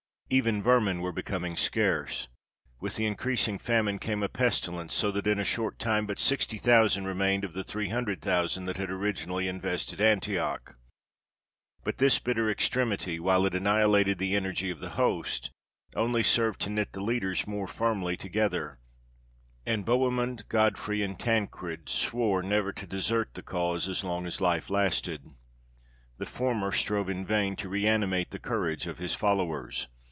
Even vermin were becoming scarce. With increasing famine came a pestilence, so that in a short time but sixty thousand remained of the three hundred thousand that had originally invested Antioch. But this bitter extremity, while it annihilated the energy of the host, only served to knit the leaders more firmly together; and Bohemund, Godfrey, and Tancred swore never to desert the cause as long as life lasted. The former strove in vain to reanimate the courage of his followers.